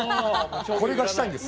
これがしたいんです。